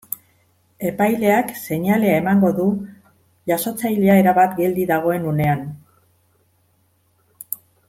Epaileak, seinalea emango du jasotzailea, erabat geldi dagoen unean.